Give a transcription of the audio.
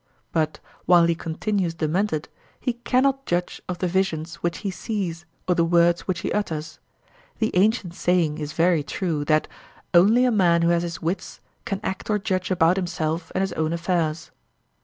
But, while he continues demented, he cannot judge of the visions which he sees or the words which he utters; the ancient saying is very true, that 'only a man who has his wits can act or judge about himself and his own affairs.